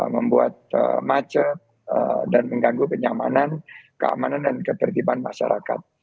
membuat macet dan mengganggu kenyamanan keamanan dan ketertiban masyarakat